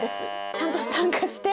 ちゃんと参加して。